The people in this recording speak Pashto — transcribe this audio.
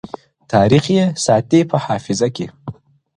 • تاريخ يې ساتي په حافظه کي,